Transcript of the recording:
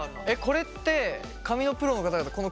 えっこれって髪のプロの方々